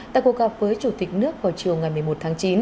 tại cuộc gặp với chủ tịch nước vào chiều ngày một mươi một tháng chín